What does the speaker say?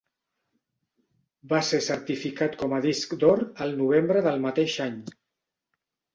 Va ser certificat com a disc d'or el novembre del mateix any.